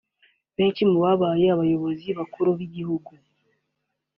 Benshi mu babaye abayobozi bakuru b’igihugu